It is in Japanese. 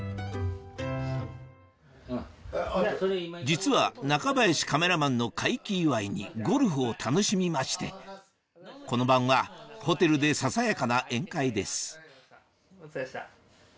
実は中林カメラマンの快気祝いにゴルフを楽しみましてこの晩はホテルでささやかな宴会ですお疲れでした。